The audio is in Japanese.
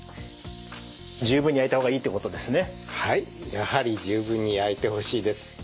やはり十分に焼いてほしいです。